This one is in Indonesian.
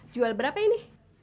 jual berapa ini